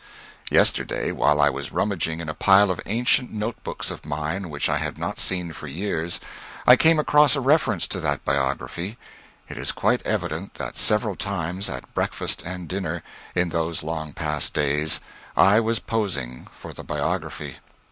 Yesterday while I was rummaging in a pile of ancient note books of mine which I had not seen for years, I came across a reference to that biography. It is quite evident that several times, at breakfast and dinner, in those long past days, I was posing for the biography.